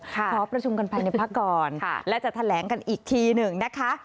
ขอประชุมกันภายในพักก่อนและจะแถลงกันอีกทีหนึ่งนะคะ